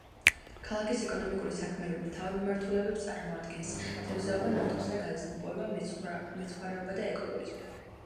ქალაქის ეკონომიკური საქმიანობის მთავარ მიმართულებებს წარმოადგენს თევზაობა, ნავთობისა და გაზის მოპოვება, მეცხვარეობა და ეკოტურიზმი.